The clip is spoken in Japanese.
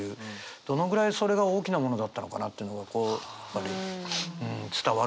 どのぐらいそれが大きなものだったのかなっていうのがこう伝わるというかね。